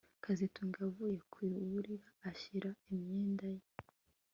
kazitunga yavuye ku buriri ashyira imyenda ye